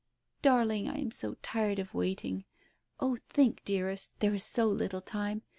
" Darling, I am so tired of waiting. Oh, think, dear est. There is so little time.